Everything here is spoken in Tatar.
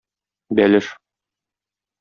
Бәлеш!